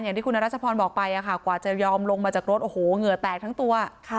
อย่างที่คุณรัชพรบอกไปกว่าจะยอมลงมาจากรถโอ้โหเหงื่อแตกทั้งตัว